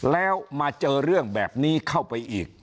แล้วมาเจอเรื่องแบบนี้เข้าไปอีก